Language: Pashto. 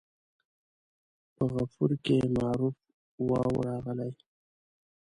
په غفور کې معروف واو راغلی.